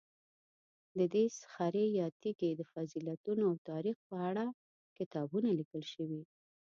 د دې صخرې یا تیږې د فضیلتونو او تاریخ په اړه کتابونه لیکل شوي.